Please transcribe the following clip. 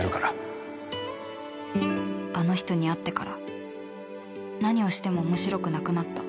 あの人に会ってから何をしても面白くなくなった